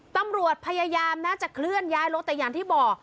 ตำรวจพยายามนะจะเคลื่อนย้ายรถแต่อย่างที่บอก